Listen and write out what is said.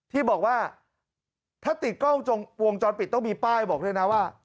ที่บอกว่าถ้าติดกล้องวงจรปิดต้องมีป้ายบอกด้วยนะว่า